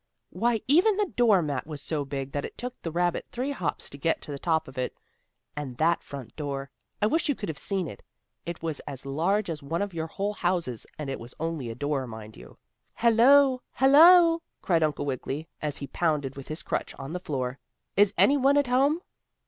Why, even the door mat was so big that it took the rabbit three hops to get to the top of it. And that front door! I wish you could have seen it! It was as large as one of your whole houses, and it was only a door, mind you. "Hello! hello!" cried Uncle Wiggily, as he pounded with his crutch on the floor. "Is any one at home?"